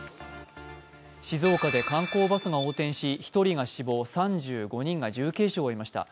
静岡で観光バスが横転し１人が死亡３５人が重軽傷を負いました。